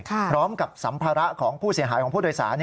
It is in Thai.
พร้อมกับสัมภาระของผู้เสียหายของผู้โดยสาร